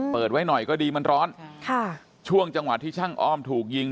เปิดไว้หน่อยก็ดีมันร้อนค่ะช่วงจังหวะที่ช่างอ้อมถูกยิง